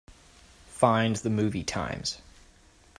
Find the movie times.